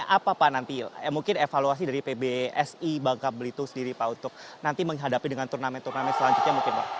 apa pak nanti mungkin evaluasi dari pbsi bangka belitung sendiri pak untuk nanti menghadapi dengan turnamen turnamen selanjutnya mungkin pak